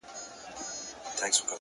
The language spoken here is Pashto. هره ورځ د اصلاح امکان شته!